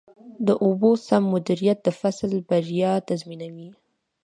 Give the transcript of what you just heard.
د اوبو سم مدیریت د فصل بریا تضمینوي.